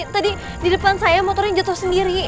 tadi di depan saya motor ini jatuh sendiri